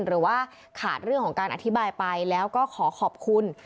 หรือว่าขาดเรื่องของการอธิบายไปแล้วก็ขอขอบคุณ